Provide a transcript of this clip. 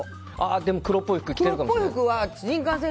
でも、黒っぽい服着ているかもしれません。